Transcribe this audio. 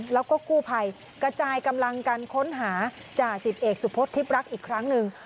แล้วก็กู้ภัยกระจายกำลังกันค้นหาจ่าสิบเอกสุพธิรักอีกครั้งหนึ่ง